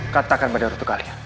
katakan pada ratu kalia